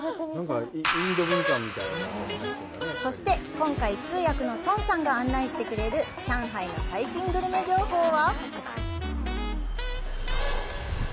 そして、今回、通訳の孫さんが案内してくれる上海の最新グルメ情報は？